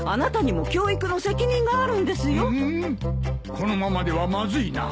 このままではまずいな。